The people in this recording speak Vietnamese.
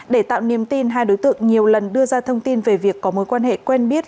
để tạo niềm tin hai đối tượng nhiều lần đưa ra thông tin về việc có mối quan hệ quen biết